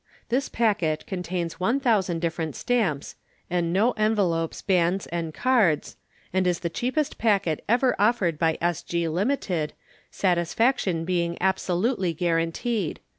This packet contains 1,000 different Stamps (and no Envelopes, Bands, and Cards), and is the cheapest packet ever offered by S. G., Ltd., satisfaction being absolutely guaranteed.